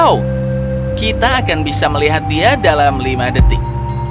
oh kita akan bisa melihat dia dalam lima detik